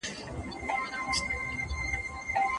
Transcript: پښتون باید له هر ډول تعصب څخه پاک وي.